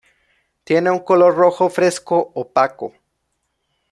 Tiene un color rojo fresco-opaco.